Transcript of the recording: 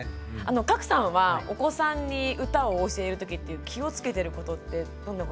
加耒さんはお子さんに歌を教えるときって気をつけてることってどんなことがありますか？